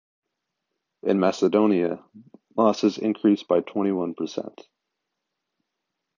In Macedonia, losses increased by twenty-one percent.